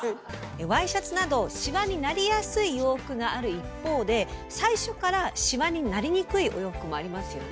ワイシャツなどシワになりやすい洋服がある一方で最初からシワになりにくいお洋服もありますよね。